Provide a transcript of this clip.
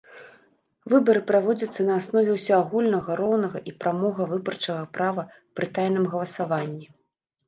Выбары праводзяцца на аснове ўсеагульнага, роўнага і прамога выбарчага права пры тайным галасаванні.